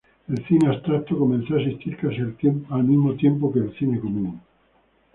El cine abstracto comenzó a existir casi al tiempo del cine común.